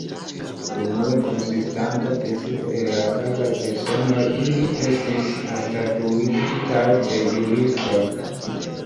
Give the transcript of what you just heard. Unue konsistanta precipe el la gravaj personoj, ili estis anstataŭigitaj de juristoj.